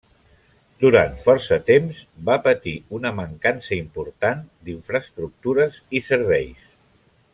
Durant força temps va patir una mancança important d'infraestructures i serveis.